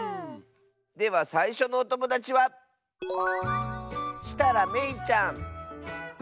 ではさいしょのおともだちはめいちゃんの。